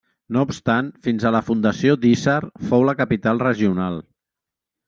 No obstant fins a la fundació d'Hissar fou la capital regional.